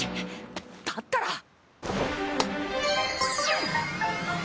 だったら！